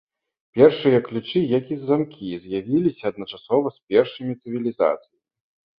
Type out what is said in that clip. Першыя ключы, як і замкі, з'явіліся адначасова з першымі цывілізацыямі.